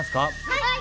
はい。